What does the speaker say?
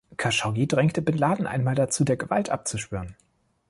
Khashoggi drängte Bin Laden einmal dazu, der Gewalt abzuschwören.